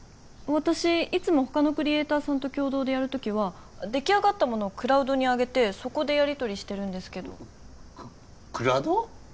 私いつも他のクリエイターさんと共同でやる時はできあがったものをクラウドにあげてそこでやりとりしてるんですけどククラード？